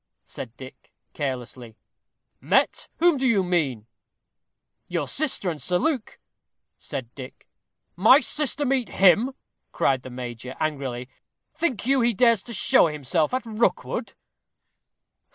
said Dick, carelessly. "Met! whom do you mean?" "Your sister and Sir Luke," said Dick. "My sister meet him!" cried the major, angrily "think you he dares show himself at Rookwood?"